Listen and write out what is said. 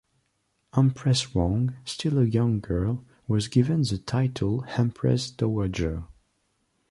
Empress Wang, still a young girl, was given the title empress dowager.